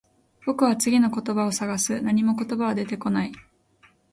僕は次の言葉を探す。何も言葉は出てこない。